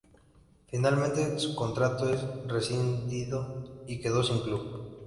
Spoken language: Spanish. Finalmente su contrato es rescindido y quedó sin club.